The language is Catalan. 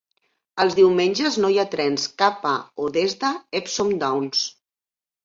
Els diumenges no hi ha trens cap a o des de Epsom Downs.